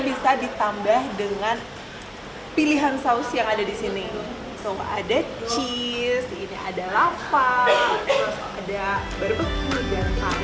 bisa ditambah dengan pilihan saus yang ada di sini so ada cheese ini ada lava ada barbecue dan hal